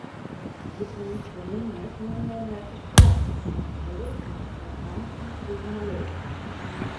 De iepening ferrûn net hielendal neffens plan, want de boat mei pommeranten krige maleur.